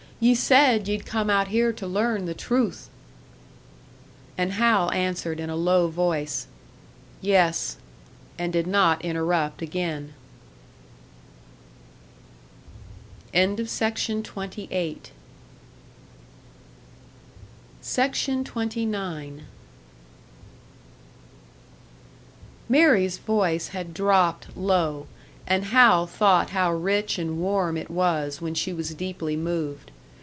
Ye said ye'd come out here to learn the truth!" And Hal answered, in a low voice, "Yes," and did not interrupt again. SECTION 29. Mary's voice had dropped low, and Hal thought how rich and warm it was when she was deeply moved.